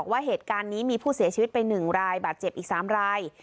ว่าเหตุการณ์นี้มีผู้เสียชีวิตไป๑รายบาดเจ็บอีก๓ราย